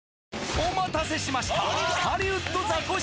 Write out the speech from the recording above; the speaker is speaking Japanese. お待たせしました！